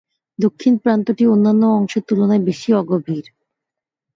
দক্ষিণ প্রান্তটি অন্যান্য অংশের তুলনায় বেশি অগভীর।